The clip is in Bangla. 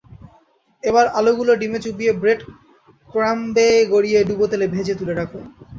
এবার আলুগুলো ডিমে চুবিয়ে ব্রেড ক্রাম্বে গড়িয়ে ডুবো তেলে ভেজে তুলে রাখুন।